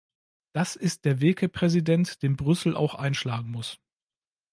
Das ist der Weg, Herr Präsident, den Brüssel auch einschlagen muss.